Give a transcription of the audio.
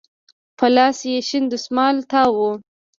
په لاس يې شين دسمال تاو و.